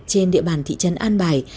trên địa bàn thị trấn an bài